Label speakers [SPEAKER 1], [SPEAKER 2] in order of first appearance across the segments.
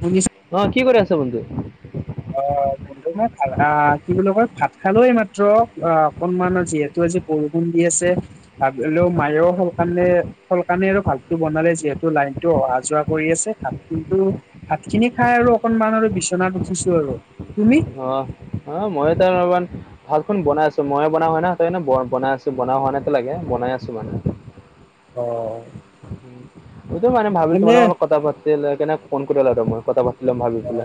[SPEAKER 1] শুনিছা
[SPEAKER 2] অ কি কৰি আছ বন্ধু
[SPEAKER 1] অ অ কি বুলি কয় ভাত খালো এইমাত্ৰ অ অকনমান যিহেতু আজি বৰষুণ দি আছে ভাবিলো মায়ো সেইকাৰণে চবৰ কাৰনে আৰু ভাতটো বনালে যিহেতু লাইনটো অহা যোৱা কৰি আছে ভাত কিন্তু ভাত খিনি খাই আৰু অকনমান আৰু বিচনাত উঠিছো আৰু তুমি
[SPEAKER 2] অ অ মই এতিয়া বৰ্তমান ভালখন বনাই আছো ময়ে বনাও হয় না সেইকাৰে বনাই আছো বনাই হোৱাই নাই এতিয়ালৈকে বনাই আছো মানে
[SPEAKER 1] অ
[SPEAKER 2] সেইটো মানে ভাবিছো
[SPEAKER 1] এনে
[SPEAKER 2] মানে অলপ কথা পাতি লৈ কেনে ফোন কৰিলো আৰু মই কথা পা
[SPEAKER 1] অ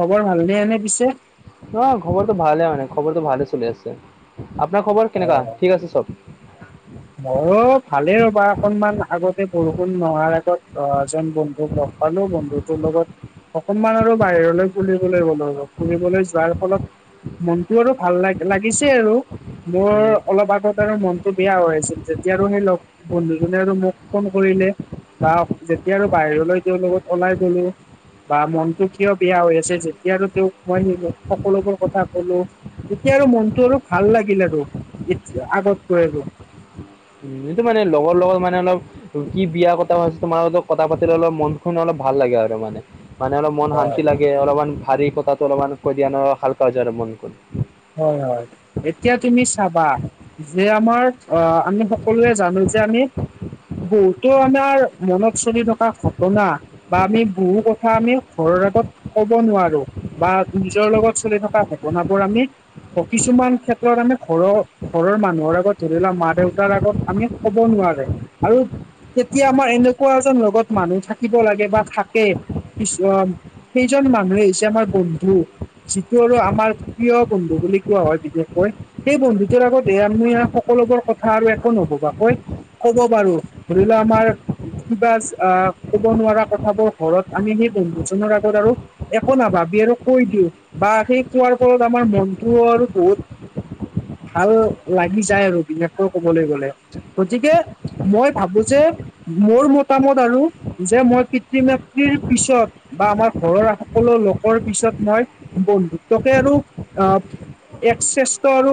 [SPEAKER 1] খবৰ ভালনে এনে পিছে
[SPEAKER 2] নহ খবৰটো ভালে মানে খবৰটো ভালে চলি আছে আপোনাৰ খবৰ কেনেকা ঠিক আছে চব
[SPEAKER 1] মইয়ো ভালেই ৰ'বা অকনমান আগতে বৰষুণ নোহোৱাৰ আগত অ এজন বন্ধুক লগ হেললো বন্ধুতোৰ লগত অকনমান আৰু বাহিৰলৈ ফুৰিবলৈ গলো ফুৰিবলৈ যোৱাৰ ফলত মনটো আৰু ভাল লা লাগিছে আৰু মোৰ
[SPEAKER 2] উম
[SPEAKER 1] অলপ আগত আৰু মনটো বেয়া হৈ আছিল যেতিয়া আৰু সেই লগ বন্ধুজনে আৰু মোক ফোন কৰিলে তাৰ যেতিয়া আৰু বাহিৰলৈ তেওঁৰ লগত ওলাই গলো বা মনটো কিয় বেয়া হৈ আছে যেতিয়া আৰু তেওঁক মই সেই সকলোবোৰ কথা কলো এতিয়া আৰু মনটো আৰু ভাল লাগিল আৰু এত আগতকৈ আৰু
[SPEAKER 2] সেইটো মানে লগৰ লগত মানে অলপ কি বিয়া কথা ভাবিছো তোমাৰ লগত কথা পাতিলে অলপ মন খন অলপ ভাল লাগে আৰু মানে মানে অলপ মন
[SPEAKER 1] হয়
[SPEAKER 2] শান্তি লাগে অলপমান ভাৰী কথাটো অলপমান কৈ দিয়া ন হালকা হৈ যায় আৰু মনখন
[SPEAKER 1] হয় হয় এতিয়া তুমি চাবা যে আমাৰ অ আমি সকলোৱে জানো যে আমি বহুতো আমাৰ মনত চলি থকা ঘটনা বা আমি বহু কথা আমি ঘৰৰ আগত কব নোৱাৰো বা নিজৰ লগত চলি থকা ঘটনাবোৰ আমি কিছুমান ক্ষেত্ৰত আমি ঘৰ ঘৰৰ মানুহৰ আগত ধৰি লোৱা মা দেউতাৰ আগত আমি ক'ব নোৱাৰে আৰু তেতিয়া আমাৰ এনেকোৱা এজন লগত মানুহ থাকিব লাগে বা থাকে কিছু অ সেইজন মানুহে হৈছে আমাৰ বন্ধু যিটো আৰু আমাৰ প্ৰিয় বন্ধু বুলি কোৱা হয় বিশেষকৈ সেই বন্ধুতৰ আগত এ আমি সকলোবোৰ কথা আৰু একো নভবাকৈ ক'ব পাৰো ধৰি লোৱা আমাৰ কিবাচ আহ, ক'ব নোৱাৰা কথাবোৰ ঘৰত আমি সেই বন্ধুজনৰ আগত আৰু একো নাভাবি আৰু কৈ দিওঁ বা সেই কোৱাৰ ফলত আমাৰ মনটো আৰু বহুত ভাল লাগি যায় আৰু বিশেষকৈ কবলৈ গ'লে গতিকে মই ভাবো যে মোৰ মতামত আৰু যে মই পিতৃ মাতৃৰ পিছত বা আমাৰ ঘৰৰ সকলো লোকৰ পিছত মই বন্ধুত্বকে আৰু আহ এক শ্ৰেষ্ঠৰো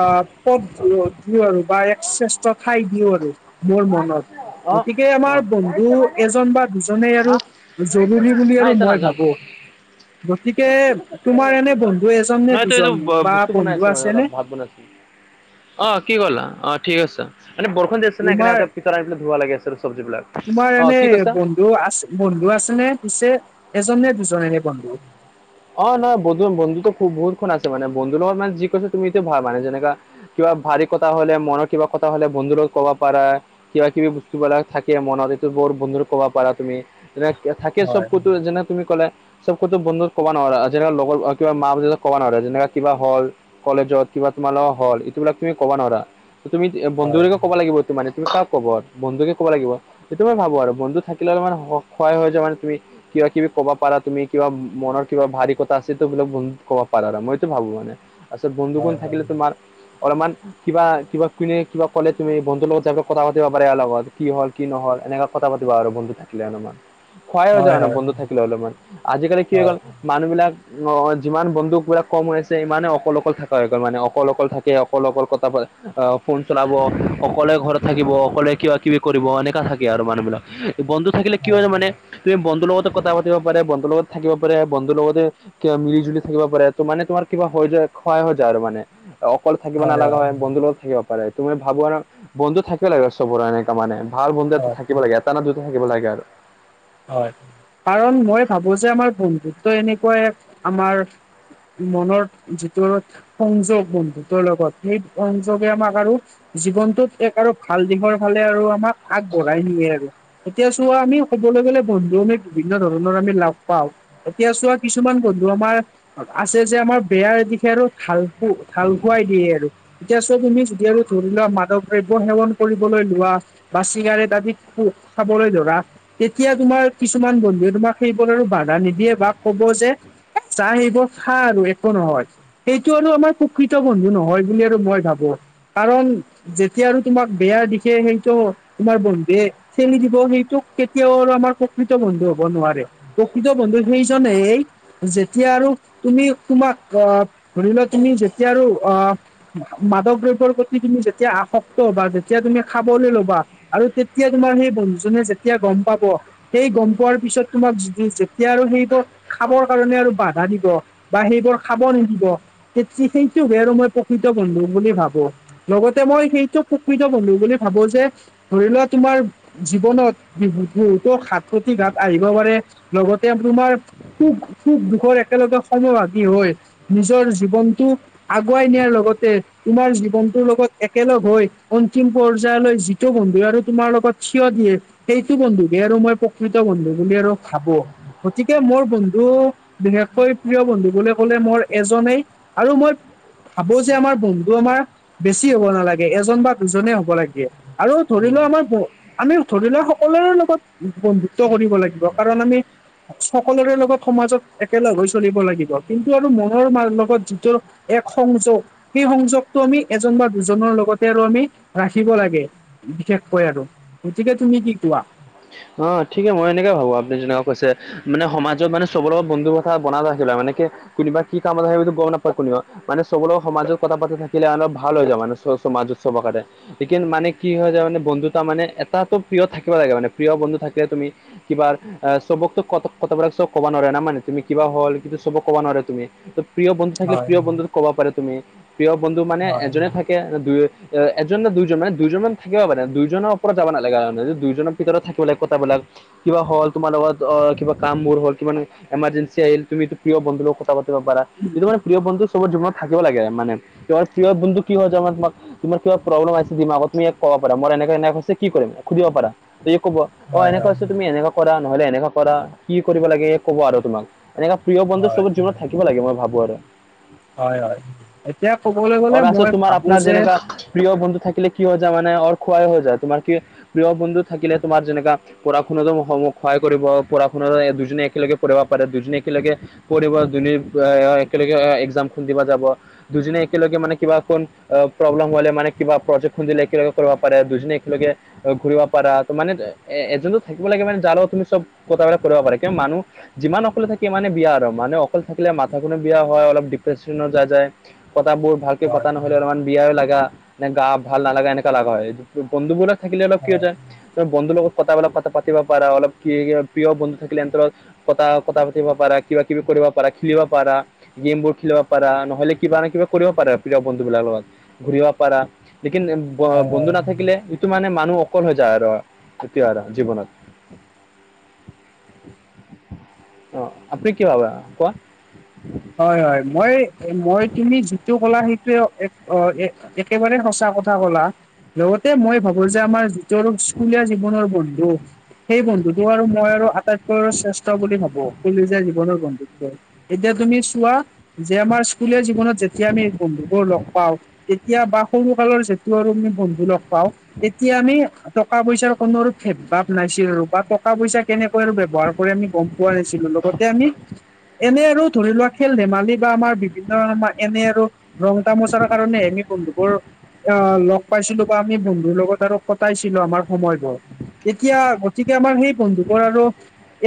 [SPEAKER 1] আহ, পদ [unintelligible] বা এক শ্ৰেষ্ঠ ঠাই দিওঁ আৰু মোৰ মনত।
[SPEAKER 2] অ
[SPEAKER 1] গতিকে
[SPEAKER 2] অ
[SPEAKER 1] আমাৰ বন্ধ ন্ধু এজন বা দুজনেই আৰু
[SPEAKER 2] আ
[SPEAKER 1] জৰুৰী বুলি
[SPEAKER 2] নাই
[SPEAKER 1] আৰু
[SPEAKER 2] এতিয়া
[SPEAKER 1] মই
[SPEAKER 2] নাযাম
[SPEAKER 1] ভাবো। গতিকে তোমাৰ এনে বন্ধু এজ
[SPEAKER 2] নহয় এইটো -এইটো বস্তু বনাই আছো মানে অলপ ভা ভাত বনাই আছোঁ অ, কি কলা অ, ঠিক আছে মানে বৰষুণ দি আছে আছে না এইকাৰণে [unintelligible]
[SPEAKER 1] তোমাৰ
[SPEAKER 2] আনি পেলাই ধুবা লাগি আছিল চবজি বিলাক অ, কি কৈছা?
[SPEAKER 1] দ'আছ বন্ধু আছে নে পিছে এজন নে দুজন এনে বন্ধু?
[SPEAKER 2] অ, নহয় বন্ধু -বন্ধুতো খুব বহুতখুন আছে মানে বন্ধু লগত মানে যি কৈছে তুমি এইটো ভাবা মানে যেনেকা কিবা ভাৰী কথা হ'লে মনৰ কিবা কথা হলে বন্ধুৰ লগত ক'বা পাৰা। কিবা -কিবি বস্তুবিলাক থাকে মনত এইটো বৰ বন্ধুৰ কবা পাৰা তুমি। যেনে এ থাকে চব
[SPEAKER 1] হয়
[SPEAKER 2] কতো যেনে তুমি ক'লা চব কতো বন্ধু ক'বা নোৱাৰা যেনেকা লগৰ কিবা মা [unintelligible] কবা নোৱাৰে যেনেকা কিবা হ'ল। কলেজত কিবা তোমাৰলগত হ'ল এইটোবিলাক তুমি ক'বা নোৱাৰা। তুমি বন্ধু
[SPEAKER 1] হয়
[SPEAKER 2] [unintelligible] ক'বা লাগিব এইটো মানে তুমি কাক ক'ব আৰ বন্ধুকে ক'বা লাগিব সেইটো মই ভাবো আৰু বন্ধু থাকিলেওঁ মানে সহায় হয় যাই মানে তুমি। কিবা -কিবি ক'বা পাৰা তুমি কিবা মনৰ কিবা ভাৰী কথা আছে টো এইবিলাক বন্ধুক কবা পাৰা মইতো ভাবো মানে আচল বন্ধুসুন
[SPEAKER 1] হয়
[SPEAKER 2] থাকিলে তোমাৰ অলপমান কিবা-কিবা কোনে কিবা কলে তুমি বন্ধুৰ লগত যাই কথা পাতিব পাৰে ইয়াৰ লগত কি হ'ল কি নহল এনেকা কথা পাতিবা আৰু বন্ধু থাকিলে অলমান। খুৱাইও যাওঁ
[SPEAKER 1] হয়
[SPEAKER 2] ন
[SPEAKER 1] হয়
[SPEAKER 2] বন্ধু থাকিলে অলমান আজিকালি কি হৈ গল
[SPEAKER 1] হয়
[SPEAKER 2] মানুহবিলাক অ, যিমান বন্ধুক বিলাক কম হৈ আছে ইমানে অকল -অকল থাকা হৈ গ'ল মানে অকল- অকল থাকে অকল -অকল কথা পা অহ, ফোন চলাব অকলে ঘৰত থাকিব অকলে কিবা- কিবি কৰিব এনেকা থাকে আৰু মানুহ বিলাক বন্ধু থাকিলে কিয় হয় মানে তুমি বন্ধুৰ লগটো কথা পাতি পাৰে বন্ধুৰ লগত থাকিব [unintelligible] বন্ধুৰ লগতে মিলি জুলি থাকিব পাৰে ত' মানে তোমাৰ কিবা হৈ যায় ক্ষয় হৈ যায় আৰু মানে। অকল থাকিব নালাগা হয় বন্ধুৰ লগত থাকিব পাৰে তুমি ভাবো আৰু বন্ধু থাকিবে লাগে ত' পুৰা এনেকা মানে ভাল বন্ধু এটা
[SPEAKER 1] হয়
[SPEAKER 2] থাকিব লাগে এটা না দুটা থাকিব লাগে আৰু।
[SPEAKER 1] হয় কাৰণ মই ভাবো যে আমাৰ বন্ধুত্ব এনেকুৱাই আমাৰ। মনৰ যিটো সংযোগ বন্ধুতৰ লগত সেই সংযোগে আমাক আৰু জীৱনটোত এক আৰু ভাল দিশৰ ফালে আৰু আমাক আগবঢ়াই নিয়ে আৰু। এতিয়া চোৱা আমি ক'বলৈ গলে বন্ধু আমি বিভিন্ন ধৰণৰ আমি লাভ পাওঁ। এতিয়া চোৱা কিছুমান বন্ধু আমাৰ আছে যে আমাৰ বেয়াৰ দিশে আৰু ঢাল খো ঢাল খুৱাই দিয়ে আৰু। এতিয়া চোৱা তুমি যদি আৰু ধৰি লোৱা মাদক দ্ৰব্য সেৱন কৰিবলৈ লোৱা বা চিগাৰেট আদি খো খাবলে ধৰা। তেতিয়া তোমাৰ কিছুমান বন্ধুৱে তোমাক সেইবোৰ আৰু বাধা নিদিয়ে বা ক'ব যে এ জাহ সেইবোৰ খা আৰু একো নহয়। এইটো আৰু আমাৰ প্ৰকৃত বন্ধু নহয় বুলি আৰু মই ভাবো কাৰণ যেতিয়া আৰু তোমাক বেয়াৰ দিশে সেইটো তোমাৰ বন্ধুৱে ঠেলি দিব সেইটোক কেতিয়াও আৰু আমাৰ প্ৰকৃত বন্ধু হব নোৱাৰে প্ৰকৃত বন্ধু সেইজনেই যেতিয়া আৰু তুমি তোমাক আহ ধৰি লোৱা তুমি যেতিয়া আৰু অ মাদক দ্ৰব্যৰ প্ৰতি তুমি যেতিয়া আসক্ত হ'বা যেতিয়া তুমি খাবলৈ ল'বা আৰু তেতিয়া তোমাৰ সেই বন্ধুজনে যেতিয়া গম পাব সেই গম পোৱাৰ পিছত তোমাক য যেতিয়া আৰু সেইবোৰ খাবৰ কাৰণে আৰু বাধা দিব বা সেইবোৰ খাব নিদিব তেতিয়া সেইটোক হে আৰু মই প্ৰকৃত বন্ধু বুলি ভাবো। লগতে মই সেইটো প্ৰকৃত বন্ধু বুলি ভাবো যে ধৰি লোৱা তোমাৰ জীৱনত- বহুতো ঘাট প্ৰতিঘাট আহিব পাৰে লগতে তোমাৰ সুখ -সুখ দুখৰ একেলগে সমভাগী হৈ নিজৰ জীৱনটো আগুৱাই নিয়াৰ লগতে তোমাৰ জীৱনটোৰ লগত একেলগ হৈ অন্তিম পৰ্যায়লৈ যি সেইটো বন্ধুৱে আৰু তোমাৰ লগত থিয় দিয়ে। সেইটো বন্ধুকে আৰু মই প্ৰকৃত বন্ধু বুলি আৰু ভাবো। গতিকে মোৰ বন্ধু বিশেষকৈ প্ৰিয় বন্ধু বুলি কলে মোৰ এজনেই। আৰু মই ভাবো যে আমাৰ বন্ধু আমাৰ বেছি হ'ব নালাগে এজন বা দুজনে হব লাগে আৰু ধৰি
[SPEAKER 2] উম।
[SPEAKER 1] লোৱা আমাৰ আমি ধৰি লোৱা সকলোৰে লগত বন্ধুত্ব কৰিব লাগিব কাৰণ আমি সকলোৰে লগত সমাজত একেলগ হৈ চলিব লাগিব। কিন্তু আৰু মনৰ লগত যিটো এক সংযোগ সেই সংযোগটো আমি এজন বা দুজনৰ লগতে আৰু আমি ৰাখিব লাগে। বিশেষকৈ আৰু গতিকে তুমি কি কোৱা?
[SPEAKER 2] অ ঠিকে মই এনেকে ভাবো আপুনি যেনেকা কৈছে। মানে সমাজত মানে চবৰে লগত বন্ধুৰ কথা বনাই ৰাখিলা মানে কি কোনোবা কি কামত হয় গম নাপায় কোনেও মানে চব লগ সমাজত কথা পাতি থাকিলে অলপ ভাল হৈ যায় মানে সমাজ চবৰ কাৰণে লেকিন মানে কি হয় য মানে বন্ধুত মানে এটাতো প্ৰিয় থাকিব লাগে মানে প্ৰিয় বন্ধু থাকিলে তুমি- কিবাৰ- আহ চবকতো ক কথাবিলাক চব কব নোৱাৰে ন মানে তুমি কিবা হ'ল কিন্তু চবক ক'ব নোৱাৰে তুমি প্ৰিয় বন্ধু থাকিলে
[SPEAKER 1] হয়
[SPEAKER 2] প্ৰিয় বন্ধুত ক'ব পাৰে তুমি প্ৰিয় বন্ধু মানে
[SPEAKER 1] হয়
[SPEAKER 2] এজনে থা কে দু এজন নে দুইজন মানে দুইজন মান থাকিব পাৰে দুইজনৰ ওপৰত যাব নালাগে তাৰমানে যদি দুইজনত ভিতৰত থাকিব লে কথাবিলাক কিবা হ'ল তোমাৰ লগত অ কিবা কাম বোৰ হল কিবা এমাৰজেঞ্চি আহিল তুমিতো প্ৰিয় বন্ধু লগত কথা পাতিব পাৰা যিটো মানে প্ৰিয় বন্ধু চবৰ জীৱনত থাকিব লাগে মানে প্ৰিয় বন্ধু কি হয় যে মই তোমাক তোমাৰ কিবা প্ৰব্লেম আছে ডিমাকত তুমি কব পাৰা মই এনেকে এনে হৈছে কি কৰিম সুধিব পাৰা। সি কব অ
[SPEAKER 1] হয়
[SPEAKER 2] এনেকোৱা
[SPEAKER 1] হয়
[SPEAKER 2] আছে তুমি এনেকোৱা কৰা নহলে এনেকোৱা কৰা কি কৰিব লাগে সে কব আৰু তোমাক এনেকোৱা প্ৰিয় বন্ধু
[SPEAKER 1] হয়
[SPEAKER 2] চবৰ জীৱনত থাকিব লাগে মই ভাবো আৰু-
[SPEAKER 1] হয় হয়, এতিয়া ক'বলৈ গলে
[SPEAKER 2] আৰু তাৰপিছত
[SPEAKER 1] মই
[SPEAKER 2] তোমাৰ
[SPEAKER 1] ভাবো
[SPEAKER 2] আপোনাৰ
[SPEAKER 1] যে
[SPEAKER 2] যেনেকা প্ৰিয় বন্ধু থাকিলে কি হৈ যায় মানে অৰ খুৱাই হৈ যায় তোমাৰ কি প্ৰিয় বন্ধু থাকিলে তোমাৰ যেনেকা পঢ়া শুনাতো সহায় কৰিব পঢ়া শুনাতো দুজনী একেলগে পঢ়িব পাৰে দুজনী একেলগে- পঢ়িব যোনে এ একেলগে একজামখন দিব যাব। দুইজনে একেলগে মানে কিবা অকন প্ৰব্লেম হলে মানে কিবা প্ৰজেক্টখন দিলে একেলগে কৰিব পাৰে দুইজনে একেলগে- ঘূৰিব পাৰা ত মানে এজনো থাকিব লাগে মানে যাৰ লগ তুমি চব কথাবিলাক কৰিব পাৰা কিন্তু মানুহ যিমান অকলে থাকে ইমানে বিয়া আৰু মানে অকলে থাকিলে মাথাখননে বিয়া হয় অলপ ডিপ্ৰেশচন যা যায়। কতাবোৰ ভালকে
[SPEAKER 1] হয়
[SPEAKER 2] পতা নহলে অলপমান বিয়াও লাগা নে গা ভাল নালাগা এনেকা লগা হয় বন্ধুবোৰাক থাকিলে অলপ কি হৈ
[SPEAKER 1] হয়
[SPEAKER 2] যায় তুমি বন্ধুৰ লগত কথা বিলাক পাতিব পাৰা অলপ কি প্ৰিয় বন্ধু থাকিলে এনতৰ লগত কথা কথা পাতিব পাৰা কিবা কিবি কৰিব পাৰা খেলিব পাৰা। গেমবোৰ খেলিব পাৰা নহলে কিবা নহয় কিবা কৰিব পাৰা প্ৰিয় বন্ধু বিলাকৰ লগত- ঘুৰিব পাৰা লেকিন ব
[SPEAKER 1] হয় হয়
[SPEAKER 2] বন্ধু নাথাকিলে যিটো মানে মানুহ অ- সফল হৈ যায় আৰু তেতিয়া আৰু জীৱনত অ আপুনি কি ভাবা কোৱা?
[SPEAKER 1] হয় হয় মই মই তুমি যিটো কলা সেইটো অ এ একেবাৰে সঁচা কথা কলা- লগতে মই ভাবো যে আমাৰ যিতো আৰু স্কুলীয়া জীৱনৰ বন্ধু- সেই বন্ধুতো আৰু মই আৰু আটাইতকৈ আৰু শ্ৰেষ্ঠ বুলি ভাবো কলেজীয়া জীৱনৰ বন্ধুতো এতিয়া তুমি চোৱা যে আমাৰ স্কুলীয়া জীৱনত যেতিয়া আমি বন্ধুবোৰ লগ পাওঁ তেতিয়া বা সৰু কালৰ যিটো আৰু আমি বন্ধু লগ পাওঁ তেতিয়া আমি টকা পইচাৰ কোনো ভেদ ভাৱ নাছিল আৰু বা টকা পইচা কেনেকৈ আৰু ব্যৱহাৰ আমি গম পোৱা নাছিলো লগতে আমি খেল ধেমালি বা আমাৰ বিভিন্ন ধৰণৰ আমাৰ এনে আৰু ৰং তামোচাৰ কাৰণেহে বন্ধুবোৰ অ লগ পাইছিলো বা আমি বন্ধুৰ লগত আৰু কটাইছিলো আমাৰ সময়বোৰ। এতিয়া গতিকে আমাৰ সেই বন্ধুবোৰ আৰু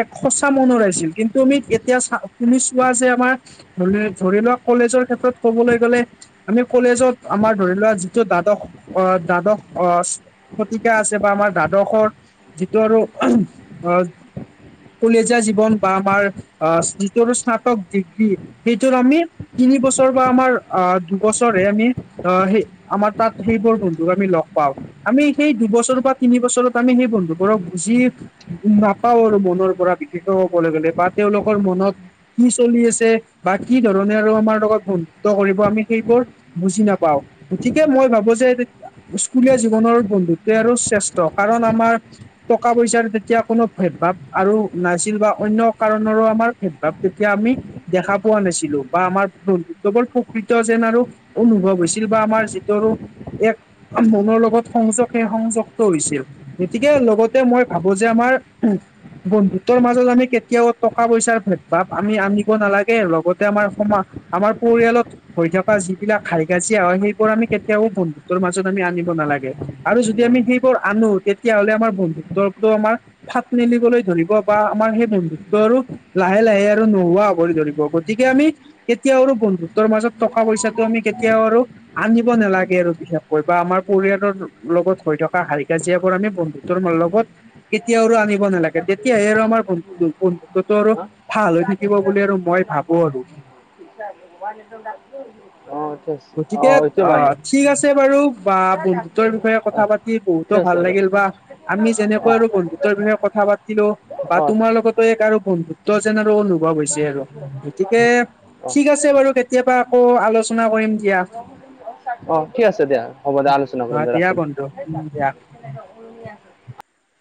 [SPEAKER 1] এক সঁচা মন ৰাইছিল কিন্তু আমি এতিয়া চা শুনি পোৱা যে আমাৰ ধৰি ধৰি লোৱা কলেজৰ ক্ষেত্ৰত কবলৈ গ'লে- আমি কলেজত আমাৰ ধৰি লোৱা যিটো দ্বাদশ অ দ্বাদশ অ শতিকা আছে বা আমাৰ দ্বাদশৰ যিটো আৰু আহ কলেজীয়া জীৱন বা আমাৰ আহ যিটো স্নাতক ডিগ্ৰী, সেইটোৰ আমি তিনি বছৰ বা আমাৰ আ দুবছৰেহে আমি অ সেই আমাৰ তাত সেইবোৰ বন্ধু আমি লগ পাওঁ আমি সেই দুবছৰ বা তিন বছৰত আমি সেই বন্ধুবোৰক বুজি নাপাও আৰু মনৰ পৰা বিশেষকৈ ক'বলৈ গ'লে বা তেওঁলোকৰ মনত কি চলি আছে বা কি ধৰণে আৰু আমাৰ লগত বন্ধুত্ব কৰিব আমি সেইবোৰ বুজি নাপাও গতিকে মই ভাবো যে স্কুলীয়া জীৱনৰ বন্ধুত্বই আৰু শ্ৰেষ্ঠ কাৰণ আমাৰ টকা পইচাৰ তেতিয়া কোনো ভেদ ভাৱ আৰু নাছিল বা অন্য কাৰণৰো আমাৰ ভেদ ভাৱ তেতিয়া আমি দেখা পোৱা নাছিলো বা আমাৰ বন্ধু কেৱল প্ৰকৃত যেন আৰু অনুভৱ হৈছিল বা আমাৰ যি-টৰো এক মনৰ লগত সংযক কে সংযক্ত হৈছিল গতিকে লগতে মই ভাবো যে আমাৰ বন্ধুতৰ মাজত আমি কেতিয়াও টকা পইচাৰ ভেদ ভাব আমি আনিব নালাগে লগতে আমাৰ সমা আমাৰ পৰিয়ালত হৈ থকা যিবিলাক হাই কাজিয়া হয় সেইবোৰ আমি কেতিয়াও বন্ধুত্বৰ মাজত আমি আনিব নালাগে আৰু যদি আমি
[SPEAKER 2] হয়
[SPEAKER 1] সেইবোৰ আনো তেতিয়াহ'লে আমাৰ বন্ধুত্বতো আমাৰ ফাট মেলিবলৈ ধৰিব বা আমাৰ সেই বন্ধুত্বৰো লাহে লাহে আৰু নোহোৱা হবলে ধৰিব গতিকে আমি কেতিয়াও আৰু বন্ধুত্বৰ মাজত টকা পইচাটো আমি কেতিয়াও আৰু আনিব নালাগে আৰু বিশেষকৈ বা আমাৰ পৰিয়ালৰ লগত হৈ থকা হাই কাজিয়াবোৰ আমি বন্ধু ত্বৰ লগত কেতিয়াও আৰু আনিব নালাগে তেতিয়াহে আৰু আমাৰ বন্ধু বন্ধুত্বটো আৰু
[SPEAKER 2] অঁ
[SPEAKER 1] ভাল হৈ থাকিব বুলি আৰু মই ভাবো আৰু
[SPEAKER 2] [unintelligible]
[SPEAKER 1] গতিকে
[SPEAKER 2] অঁ এতিয়া
[SPEAKER 1] আ
[SPEAKER 2] মানে
[SPEAKER 1] ঠিক আছে বাৰু বা বন্ধুত্বৰ বিষয়ে
[SPEAKER 2] অঁ
[SPEAKER 1] কথা পাতি বহুত বহুতে
[SPEAKER 2] ঠিক আছে
[SPEAKER 1] ভাল
[SPEAKER 2] আৰু
[SPEAKER 1] লাগিল বা আমি যেনেকৈ আৰু বন্ধুত্বৰ বিষয়ে কথা পাতিলো বা
[SPEAKER 2] অঁ
[SPEAKER 1] তোমাৰ লগত এ
[SPEAKER 2] অঁ
[SPEAKER 1] ঠিক আছে বাৰু কেতিয়াবা আকৌ আলোচনা কৰিম দিয়া
[SPEAKER 2] অ ঠিক আছে দিয়া হ'ব দে আলোচনা কৰিম
[SPEAKER 1] অ'
[SPEAKER 2] দে ৰাখিম
[SPEAKER 1] [unintelligible]